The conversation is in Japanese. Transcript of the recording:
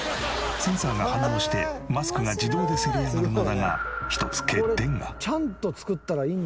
センサーが反応してマスクが自動でせり上がるのだが。